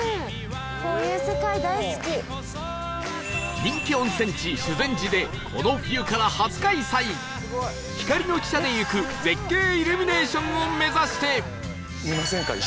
人気温泉地修善寺でこの冬から初開催光の汽車で行く絶景イルミネーションを目指して